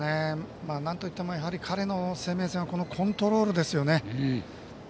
なんといっても彼の生命線はこのコントロールですよね。